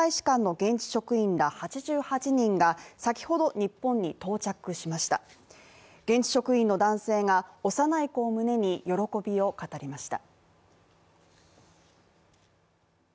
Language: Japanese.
現地職員の男性が、幼い子を胸に、喜びを語りました。